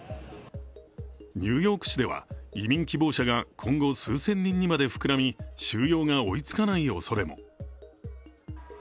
ニューヨーク市では移民希望者が今後数千人にまで膨らみ収容が追いつかないおそれも。